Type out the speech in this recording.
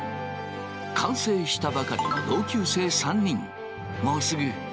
完成したばかりの同級生３人。